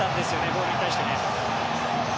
ボールに対してね。